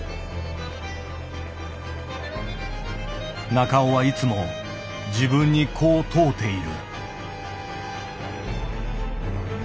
中尾はいつも自分にこう問うている。